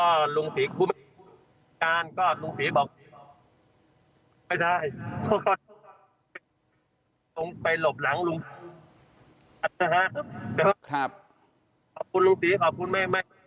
ก็ลุงศรีคุณศรีการก็ลุงศรีบอกไม่ได้ต้องไปหลบหลังลุงศรีครับ